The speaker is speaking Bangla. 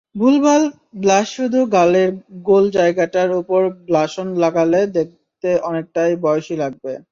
ভুলভাল ব্লাশশুধু গালের গোল জায়গাটার ওপর ব্লাশঅন লাগালে দেখতে অনেকটাই বয়সী লাগবে।